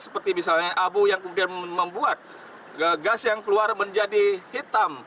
seperti misalnya abu yang kemudian membuat gas yang keluar menjadi hitam